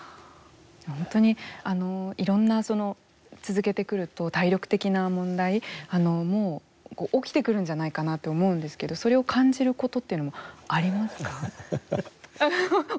本当に、いろんなその続けてくると体力的な問題も起きてくるんじゃないかなと思うんですけどそれを感じることってのもありますか。